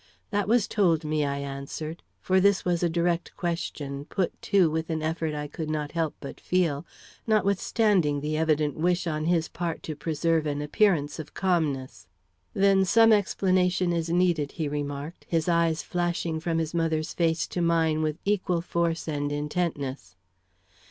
"That was told me," I answered; for this was a direct question, put, too, with an effort I could not help but feel, notwithstanding the evident wish on his part to preserve an appearance of calmness. "Then some explanation is needed," he remarked, his eyes flashing from his mother's face to mine with equal force and intentness.